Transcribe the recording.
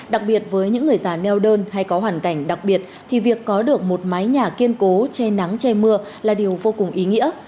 đặc biệt với những người già neo đơn hay có hoàn cảnh đặc biệt thì việc có được một mái nhà kiên cố che nắng che mưa là điều vô cùng ý nghĩa